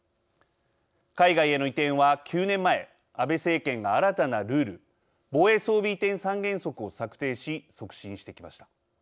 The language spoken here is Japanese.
海外への移転は９年前安倍政権が新たなルール防衛装備移転三原則を策定し促進してきました。